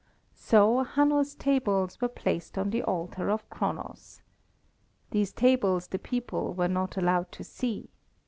So Hanno's tables were placed on the altar of Kronos. These tables the people were not allowed to see.